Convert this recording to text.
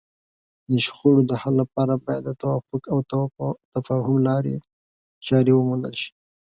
د شخړو د حل لپاره باید د توافق او تفاهم لارې چارې وموندل شي.